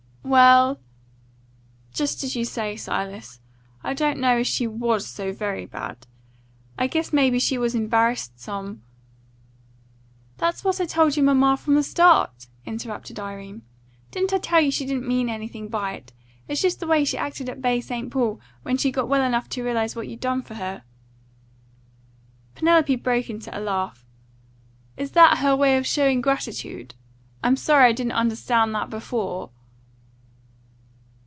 "Well just as you say, Silas. I don't know as she WAS so very bad. I guess may be she was embarrassed some " "That's what I told you, mamma, from the start," interrupted Irene. "Didn't I tell you she didn't mean anything by it? It's just the way she acted at Baie St. Paul, when she got well enough to realise what you'd done for her!" Penelope broke into a laugh. "Is that her way of showing her gratitude? I'm sorry I didn't understand that before."